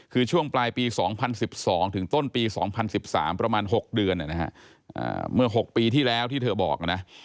คือช่วงปลายปี๒๐๑๒ถึงต้นปี๒๐๑๓ประมาณ๖เดือนเมื่อ๖ปีที่แล้วที่เธอบอกนะ